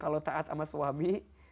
kalau taat sama suami